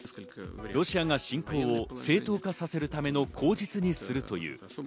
ロシアが侵攻を正当化させるための口実にするという。